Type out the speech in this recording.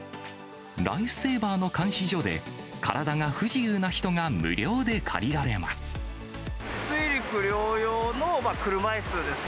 ライフセーバーの監視所で、体が不自由な人が無料で借りられます。